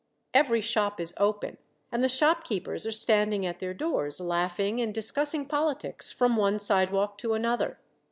Every shop is open, and the shop keepers are standing at their doors, laughing and discussing politics, from one sidewalk to another.